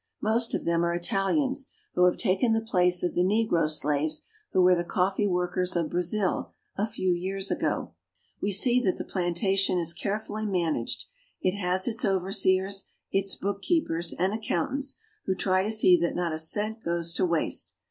Most of them are Italians, who have taken the place of the negro slaves who were the coffee workers of Brazil a few years ago. RIO DE JANEIRO. 267 We see that the plantation is carefully managed. It has its overseers, its bookkeepers and accountants, who try to see that not a cent goes to waste.